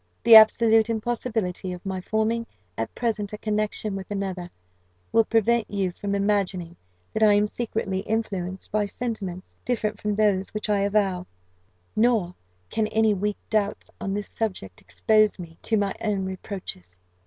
"The absolute impossibility of my forming at present a connexion with another, will prevent you from imagining that I am secretly influenced by sentiments different from those which I avow; nor can any weak doubts on this subject expose me to my own reproaches.